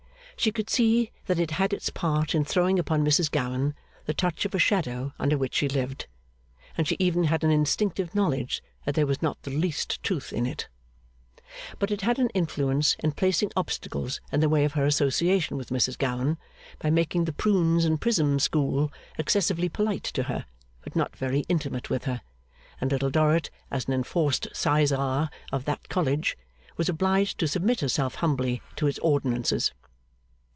She could see that it had its part in throwing upon Mrs Gowan the touch of a shadow under which she lived, and she even had an instinctive knowledge that there was not the least truth in it. But it had an influence in placing obstacles in the way of her association with Mrs Gowan by making the Prunes and Prism school excessively polite to her, but not very intimate with her; and Little Dorrit, as an enforced sizar of that college, was obliged to submit herself humbly to its ordinances.